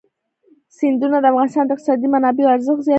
سیندونه د افغانستان د اقتصادي منابعو ارزښت زیاتوي.